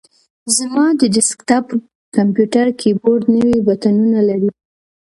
زما د ډیسک ټاپ کمپیوټر کیبورډ نوي بټنونه لري.